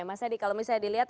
mas adi kalau misalnya dilihat